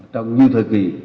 trong nhiều thời kỳ